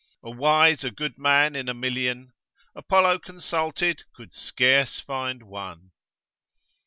A wise, a good man in a million, Apollo consulted could scarce find one.